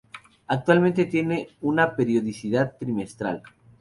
Actualmente tiene una periodicidad trimestral.